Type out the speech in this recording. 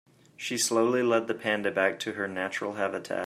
She slowly led the panda back to her natural habitat.